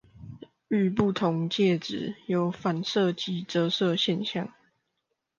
遇不同介質，有反射及折射現象